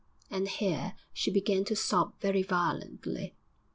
And here she began to sob very violently.